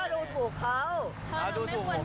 งั้นที่นี่ก็แกงของไอ้เสี่ยงตาม